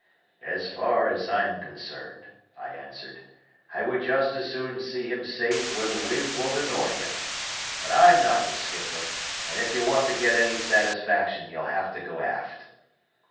"As far as I'm concerned," I answered, "I would just as soon see him safe where the wind won't annoy him; but I'm not the skipper, and if you want to get any satisfaction you'll have to go aft."